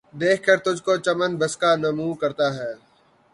دیکھ کر تجھ کو ، چمن بسکہ نُمو کرتا ہے